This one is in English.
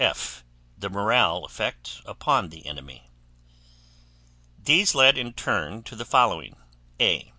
F. The morale effect upon the enemy. These led in turn to the following: A.